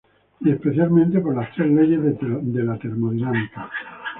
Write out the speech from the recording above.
Y especialmente por las tres leyes de la termodinámica.